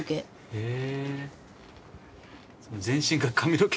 へえ。